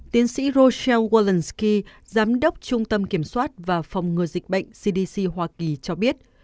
tiến sĩ roseel worldsky giám đốc trung tâm kiểm soát và phòng ngừa dịch bệnh cdc hoa kỳ cho biết